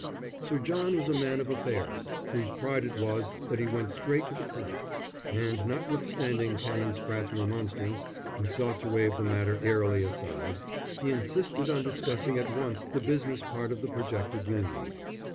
Sir John was a man of affairs, whose pride it was that he went straight to the point; and notwithstanding Canon Spratte's remonstrance, who sought to waive the matter airily aside, he insisted on discussing at once the business part of the projected union.